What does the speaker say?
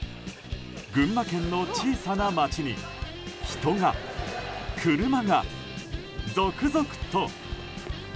群馬県の小さな町に人が、車が、続々と！